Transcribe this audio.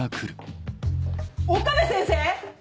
岡部先生